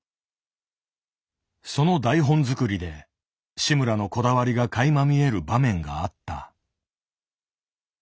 その台本作りで志村のこだわりがかいま見える場面があった。